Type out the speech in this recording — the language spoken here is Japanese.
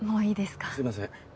すいません。